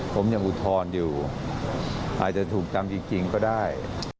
ผมยังอุทธรณ์อยู่อาจจะถูกจำจริงก็ได้